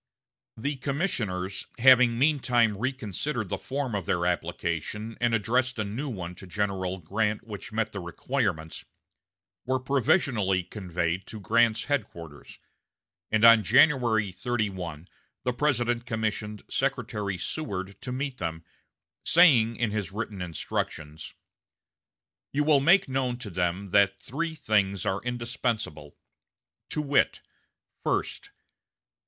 The commissioners having meantime reconsidered the form of their application and addressed a new one to General Grant which met the requirements, were provisionally conveyed to Grant's headquarters; and on January 31 the President commissioned Secretary Seward to meet them, saying in his written instructions: "You will make known to them that three things are indispensable, to wit: First.